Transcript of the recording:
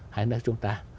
hai nước chúng ta